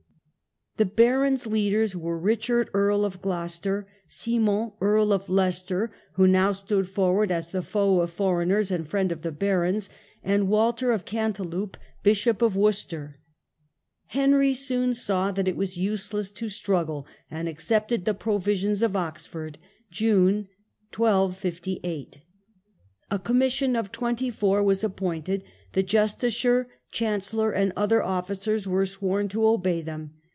The barons' leaders were Richard, Earl of Gloucester, Simon, Earl of Leicester (who now stood forward as the foe of foreigners and friend of the barons), and Walter of Cantilupe, Bishop of Worcester. Henry soon saw that it was useless to struggle, and accepted the Provisions of Oxford (June 1258). A commission of twenty four was appointed; the justiciar, chancellor, and other officers were sworn to obey them.